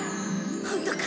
本当か？